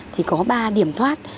thì có ba điểm thoát